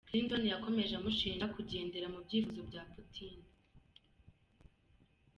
’ Clinton yakomeje amushinja kugendera mu byifuzo bya Putin.